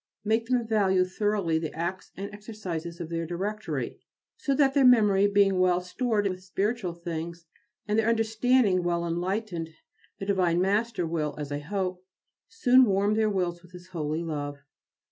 Make them value thoroughly the acts and exercises of their Directory, so that their memory being well stored with spiritual things, and their understanding well enlightened, our divine Master will (as I hope) soon warm their wills with His holy love.